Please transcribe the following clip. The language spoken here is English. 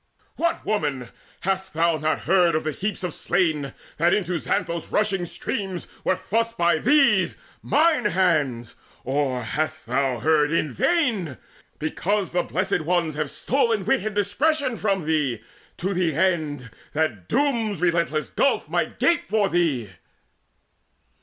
What, woman, hast thou heard not of the heaps Of slain, that into Xanthus' rushing stream Were thrust by these mine hands? or hast thou heard In vain, because the Blessed Ones have stol'n Wit and discretion from thee, to the end That Doom's relentless gulf might gape for thee?"